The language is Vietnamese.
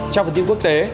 trong phần tin quốc tế